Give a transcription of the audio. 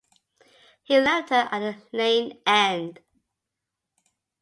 He left her at the lane-end.